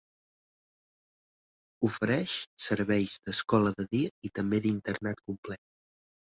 Ofereix serveis d"escola de dia i també d"internat complet.